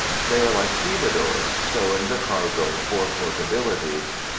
They are like stevedores, stowing the cargo for portability.